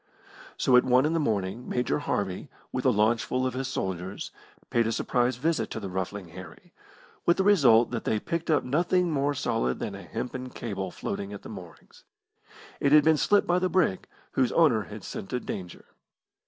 So at one in the morning Major Harvey, with a launchful of his soldiers, paid a surprise visit to the Ruffling Harry, with the result that they picked up nothing more solid than a hempen cable floating at the moorings. It had been slipped by the brig, whose owner had scented danger.